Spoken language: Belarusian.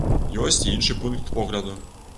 Ёсць і іншы пункт погляду.